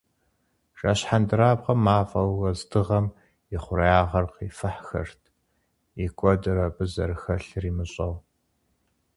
Жэщ хьэндырабгъуэм мафӏэ уэздыгъэм и хъуреягъыр къифыхырт, и кӏуэдыр абы зэрыхэлъыр имыщӏэу.